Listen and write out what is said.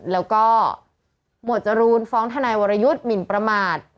แล้วก็หมวดจรูนฟ้องทนายวรยุทธ์หมินประมาท